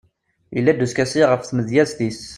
yella-d uskasi ɣef tmedyazt-is